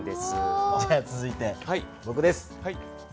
続いてぼくです。